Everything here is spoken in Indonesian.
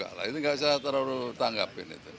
gak lah itu gak usah terlalu tanggapin